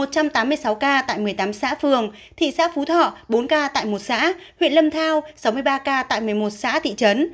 một trăm tám mươi sáu ca tại một mươi tám xã phường thị xã phú thọ bốn ca tại một xã huyện lâm thao sáu mươi ba ca tại một mươi một xã thị trấn